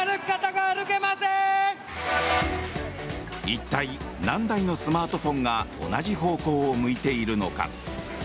一体、何台のスマートフォンが同じ方向を向いているのか。